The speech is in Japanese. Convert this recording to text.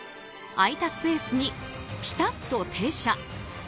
空いたスペースにぴたっと停車。